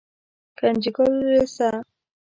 ګنجګل لېسه